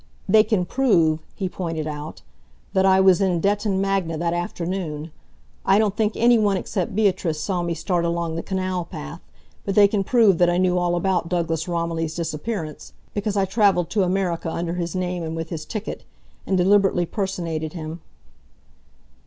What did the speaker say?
"They can prove," he pointed out, "that I was in Detton Magna that afternoon. I don't think any one except Beatrice saw me start along the canal path, but they can prove that I knew all about Douglas Romilly's disappearance, because I travelled to America under his name and with his ticket, and deliberately personated him."